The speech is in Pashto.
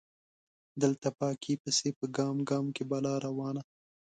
دلته پاکۍ پسې په ګام ګام کې بلا روانه